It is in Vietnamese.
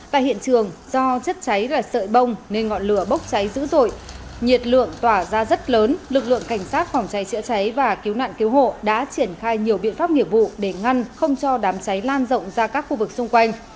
tại hiện trường do chất cháy là sợi bông nên ngọn lửa bốc cháy dữ dội nhiệt lượng tỏa ra rất lớn lực lượng cảnh sát phòng cháy chữa cháy và cứu nạn cứu hộ đã triển khai nhiều biện pháp nghiệp vụ để ngăn không cho đám cháy lan rộng ra các khu vực xung quanh